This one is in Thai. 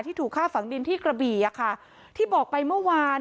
ที่ถูกฆ่าฝังดินที่กระบี่ที่บอกไปเมื่อวาน